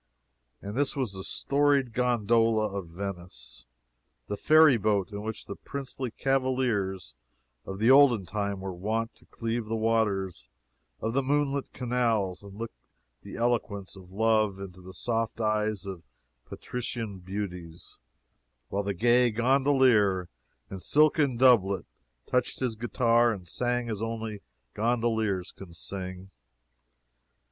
And this was the storied gondola of Venice! the fairy boat in which the princely cavaliers of the olden time were wont to cleave the waters of the moonlit canals and look the eloquence of love into the soft eyes of patrician beauties, while the gay gondolier in silken doublet touched his guitar and sang as only gondoliers can sing!